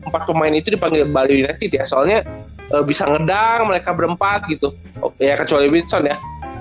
empat pemain itu dipanggil bali united ya soalnya bisa ngedang mereka berempat gitu ya kecuali withon ya